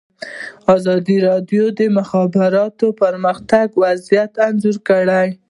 ازادي راډیو د د مخابراتو پرمختګ وضعیت انځور کړی.